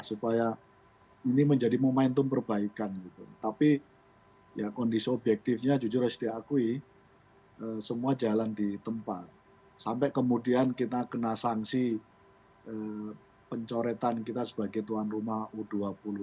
supaya ini menjadi momentum perbaikan tapi yang kondisi objektifnya jujur harus diakui tapi ya kondisi objektifnya jujur harus diakui tapi ya kondisi objektifnya jujur harus diakui